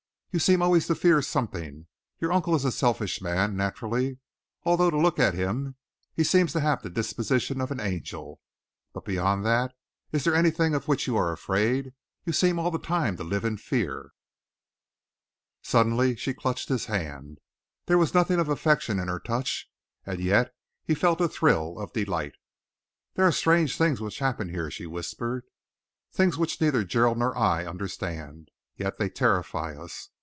You seem always to fear something. Your uncle is a selfish man, naturally, although to look at him he seems to have the disposition of an angel. But beyond that, is there anything of which you are afraid? You seem all the time to live in fear." She suddenly clutched his hand. There was nothing of affection in her touch, and yet he felt a thrill of delight. "There are strange things which happen here," she whispered, "things which neither Gerald nor I understand. Yet they terrify us.